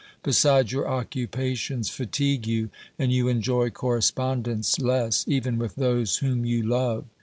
Besides, your occupations fatigue you, and you enjoy correspondence less, even with those whom you love.